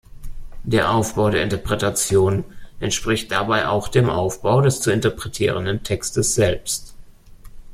Der Aufbau der Interpretation entspricht dabei auch dem Aufbau des zu interpretierenden Textes selbst.